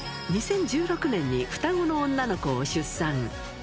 ２０１６年に双子の女の子を出産。